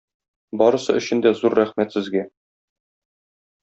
Барысы өчен дә зур рәхмәт сезгә.